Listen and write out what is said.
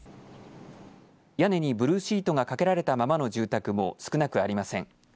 屋根にブルーシートがかけれたままの住宅も少なくありません。